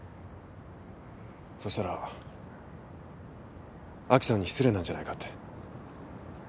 そしたら亜紀さんに失礼なんじゃないかって。